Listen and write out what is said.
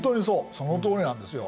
そのとおりなんですよ。